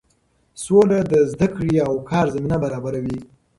سوله د زده کړې او کار زمینه برابروي.